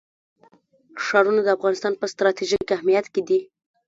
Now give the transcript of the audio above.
ښارونه د افغانستان په ستراتیژیک اهمیت کې دي.